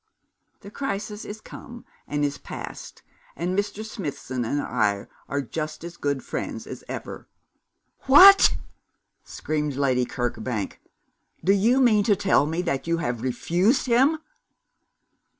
'The crisis is come and is past, and Mr. Smithson and I are just as good friends as ever.' 'What!' screamed Lady Kirkbank. 'Do you mean to tell me that you have refused him?'